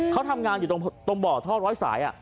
เขาทำงานอยู่ตรงบ๋อท่อ๑๐๐สายอะ